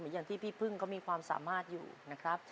อย่างที่พี่พึ่งก็มีความสามารถอยู่นะครับ